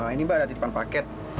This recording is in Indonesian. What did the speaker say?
ini mbak ada titipan paket